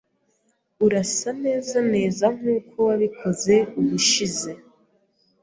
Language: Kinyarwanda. Urasa neza neza nkuko wabikoze ubushize.